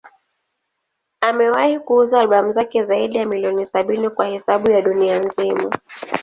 Amewahi kuuza albamu zake zaidi ya milioni sabini kwa hesabu ya dunia nzima.